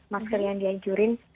masker yang diajurin